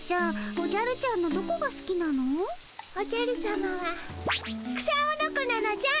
おじゃるさまは草おのこなのじゃ。